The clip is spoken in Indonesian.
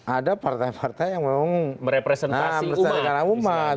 ada partai partai yang memang merepresentasi umat